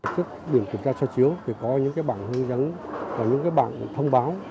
trước điểm kiểm tra soi chiếu thì có những bảng hướng dẫn và những bảng thông báo